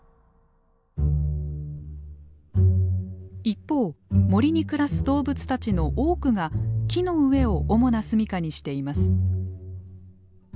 一方森に暮らす動物たちの多くが木の上を主な住みかにしています。